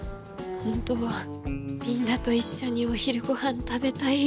ほんとはみんなと一緒にお昼ごはん食べたいよ。